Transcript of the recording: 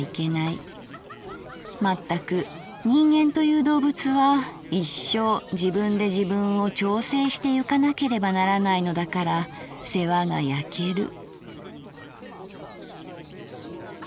まったく人間という動物は一生自分で自分を調整してゆかなければならないのだから世話がやける」。